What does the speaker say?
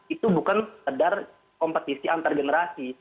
itu bukan sekedar kompetisi antar generasi